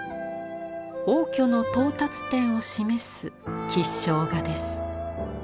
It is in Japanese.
応挙の到達点を示す吉祥画です。